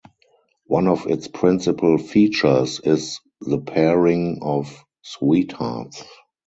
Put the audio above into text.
One of its principal features is the pairing of sweethearts.